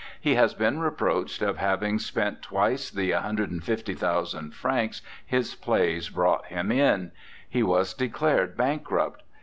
He has been reproached of having spent twice the 1 50,000 francs his plays brought him in; he was declared bankrupt.